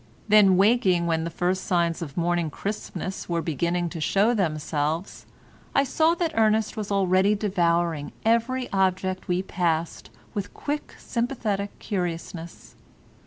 Then waking when the first signs of morning crispness were beginning to show themselves, I saw that Ernest was already devouring every object we passed with quick sympathetic curiousness.